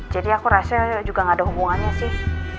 jadi aku rasa juga gak ada hubungannya sih